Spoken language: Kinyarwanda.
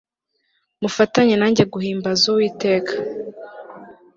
mufatanye nanjye guhimbaza uwiteka